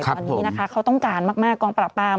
เพราะว่านี้นะคะเขาต้องการมากกองปรับปราม